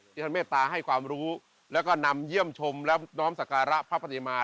ท่านเมตตาให้ความรู้แล้วก็นำเยี่ยมชมและน้อมสการะพระปฏิมา